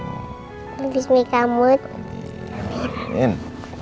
selamat hidup sayang